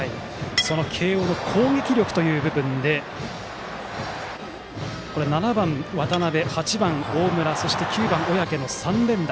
慶応の攻撃力という部分で７番の渡辺、８番の大村そして９番、小宅の３連打。